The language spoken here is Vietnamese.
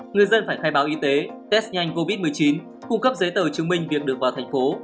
người dân phải khai báo y tế test nhanh covid một mươi chín cung cấp giấy tờ chứng minh việc được vào thành phố